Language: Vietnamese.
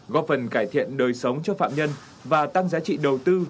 góp phần cải thiện đời sống cho phạm nhân và tăng giá trị đầu tư